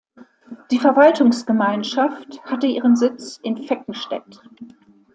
Die Verwaltungsgemeinschaft hatte ihren Sitz in Veckenstedt.